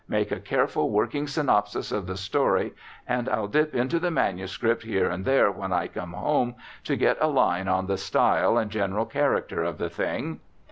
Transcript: Make a careful, working synopsis of the story, and I'll dip into the manuscript here and there when I come home to get a line on the style and general character of the thing."